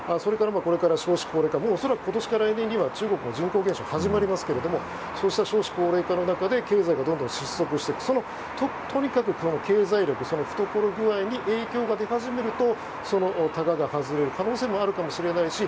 それから、少子高齢化恐らく、今年か来年には中国も人口減少が始まりますけれどもそうした少子高齢化の中で経済がどんどん失速していくとにかく経済力懐具合に影響が出始めるとそのたがが外れる可能性もあるかもしれないし